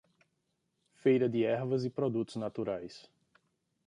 Feira de Ervas e Produtos Naturais.